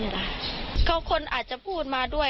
เพราะไม่เคยถามลูกสาวนะว่าไปทำธุรกิจแบบไหนอะไรยังไง